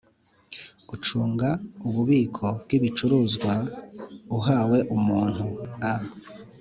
Ucunga ububiko bw ibicuruzwa uhaye umuntu A